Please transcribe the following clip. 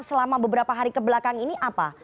selama beberapa hari kebelakang ini apa